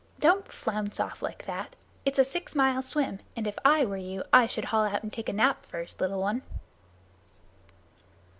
Don't flounce off like that. It's a six mile swim, and if I were you I should haul out and take a nap first, little one."